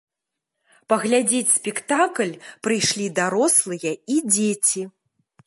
Паглядзець спектакль прыйшлі дарослыя і дзеці.